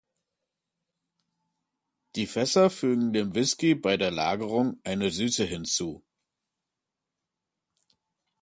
Die Fässer fügen dem Whisky bei der Lagerung eine Süße hinzu.